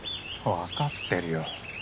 わかってるよ。